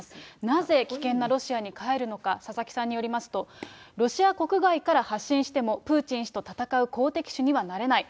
なぜ、危険なロシアに帰るのか、佐々木さんによりますと、ロシア国外から発信しても、プーチン氏と戦う好敵手にはなれない。